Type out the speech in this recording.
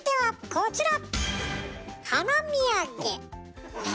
こちら！